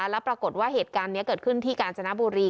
แล้วปรากฏว่าเหตุการณ์นี้เกิดขึ้นที่กาญจนบุรี